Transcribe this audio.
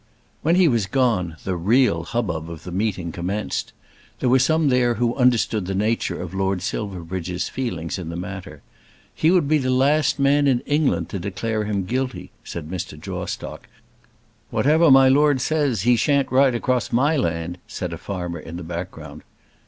When he was gone the real hubbub of the meeting commenced. There were some there who understood the nature of Lord Silverbridge's feelings in the matter. "He would be the last man in England to declare him guilty," said Mr. Jawstock. "Whatever my lord says, he shan't ride across my land," said a farmer in the background.